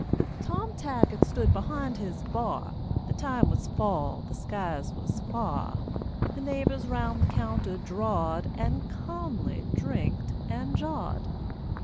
Tom Taggart stood behind his bar, The time was fall, the skies was fa'r, The neighbors round the counter drawed, And ca'mly drinked and jawed.